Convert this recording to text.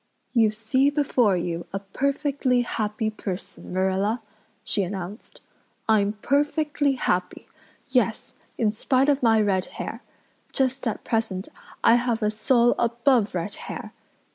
"You see before you a perfectly happy person, Marilla," she announced. "I'm perfectly happy yes, in spite of my red hair. Just at present I have a soul above red hair.